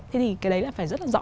thế thì cái đấy là phải rất là rõ